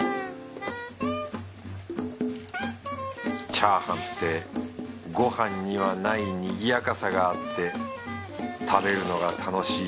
チャーハンってごはんにはないにぎやかさがあって食べるのが楽しい